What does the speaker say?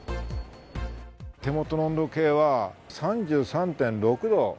手元の温度計は３３．６度。